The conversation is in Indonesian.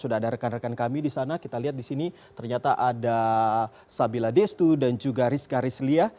sudah ada rekan rekan kami di sana kita lihat di sini ternyata ada sabila destu dan juga rizka rizlia